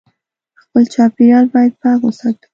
خپل چاپېریال باید پاک وساتو